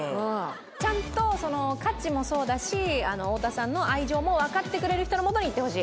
ちゃんと、価値もそうだし、太田さんの愛情も分かってくれる人のもとにいってほしい。